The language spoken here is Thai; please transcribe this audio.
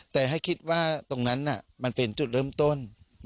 แต่ให้คิดว่าตรงนั้นมันเป็นจุดเริ่มต้น